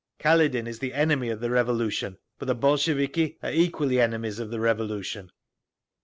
Kaledin is the enemy of the Revolution, but the Bolsheviki are equally enemies of the Revolution."